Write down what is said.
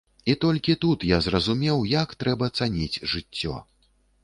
І толькі тут я зразумеў, як трэба цаніць жыццё.